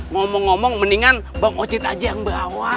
ngomong ngomong mendingan bang wajid aja yang bawa